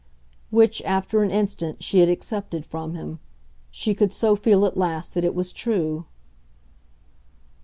Which, after an instant, she had accepted from him; she could so feel at last that it was true.